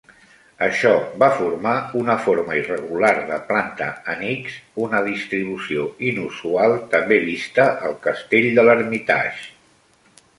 Això va formar una forma irregular de planta en X, una distribució inusual també vista al castell de l'Hermitage.